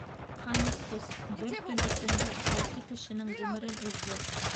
Ҡан эскес бер төн эсендә алты кешенең ғүмерен өҙҙө.